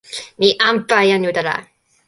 mi anpa e jan utala.